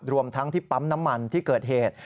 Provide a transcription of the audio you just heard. รวมทั้งที่ปั๊มน้ำมันที่เกิดเหตุ